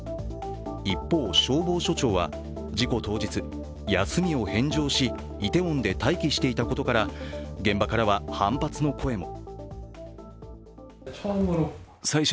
一方、消防署長は事故当日、休みを返上しイテウォンで待機していたことから、現場からは反発の声も。